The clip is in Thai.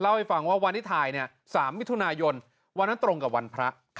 ให้ฟังว่าวันที่ถ่าย๓มิถุนายนวันนั้นตรงกับวันพระ